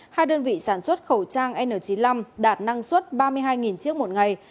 hai đơn vị sản xuất khẩu trang n chín mươi năm đạt năng suất ba mươi hai chiếc một ngày